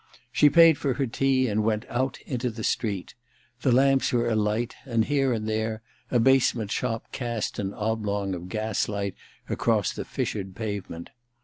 She paid for her tea and went out into the street. The lamps were alight, and here and there a basement shop cast an oblong of gas light across the fissured pave ment.